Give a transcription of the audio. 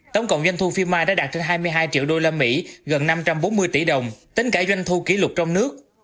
tổng cộng doanh thu phim my đã đạt trên hai mươi hai triệu usd gần năm trăm bốn mươi tỷ đồng tính cả doanh thu kỷ lục trong nước